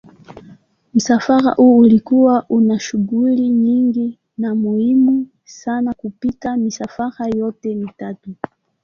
Msafara huu ulikuwa una shughuli nyingi na muhimu sana kupita misafara yote mitatu.